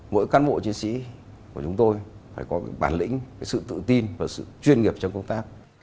mỗi cán bộ chiến sĩ của chúng tôi phải có bản lĩnh sự tự tin và sự chuyên nghiệp trong công tác